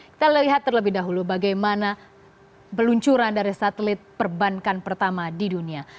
kita lihat terlebih dahulu bagaimana peluncuran dari satelit perbankan pertama di dunia